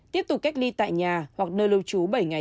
tiếp tục cách ly tại nhà hoặc nơi lưu trú bảy ngày